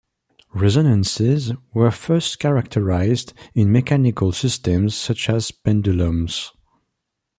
Resonances were first characterized in mechanical systems such as pendulums.